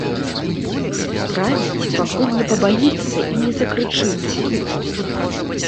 Правіць, пакуль не пабаіцца і не закрычыць.